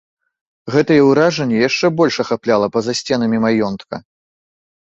Гэтае ўражанне яшчэ больш ахапляла па-за сценамі маёнтка.